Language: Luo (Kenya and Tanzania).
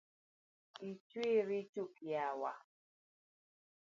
Ichweri chuk yawa?